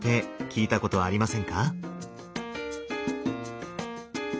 聞いたことありますね